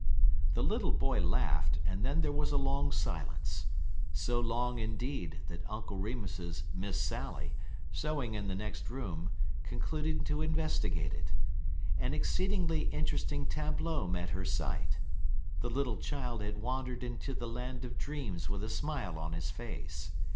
The little boy laughed, and then there was a long silence so long, indeed, that Uncle Remus's "Miss Sally," sewing in the next room, concluded to investigate it. An exceedingly interesting tableau met her sight. The little child had wandered into the land of dreams with a smile on his face.